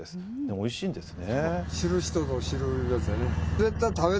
おいしいんですね。